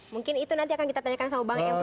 mungkin itu nanti akan kita tanyakan sama bang empo